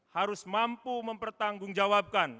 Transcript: harus mampu mempertanggungjawabkan